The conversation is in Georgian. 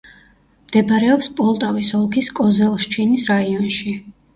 მდებარეობს პოლტავის ოლქის კოზელშჩინის რაიონში.